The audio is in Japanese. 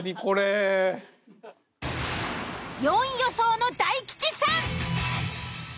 ４位予想の大吉さん。